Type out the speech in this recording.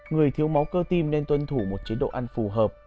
người thiếu máu cơ tim nên tuân thủ một chế độ ăn phù hợp